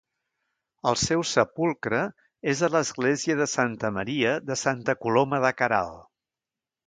El seu sepulcre és a l'església de Santa Maria de Santa Coloma de Queralt.